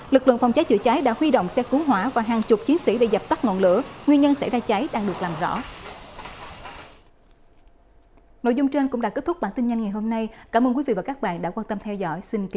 lực lượng phòng trái chữa trái đã huy động xe cứu hỏa và hàng chục chiến sĩ để dập tắt ngọn lửa nguyên nhân xảy ra trái đang được làm rõ